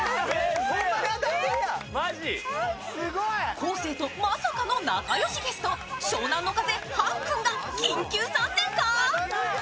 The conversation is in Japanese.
昴生とまさかの仲良しゲスト、湘南乃風、ＨＡＮ−ＫＵＮが緊急参戦か？